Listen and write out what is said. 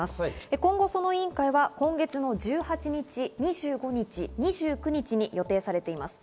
今後その委員会は今月の１８日、２５日、２９日に予定されています。